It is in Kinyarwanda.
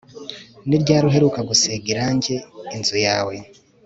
Ni ryari uheruka gusiga irangi inzu yawe